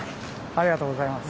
ありがとうございます。